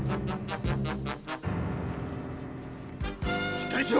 しっかりしろ！